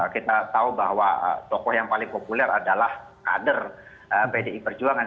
kita tahu bahwa tokoh yang paling populer adalah kader pdi perjuangan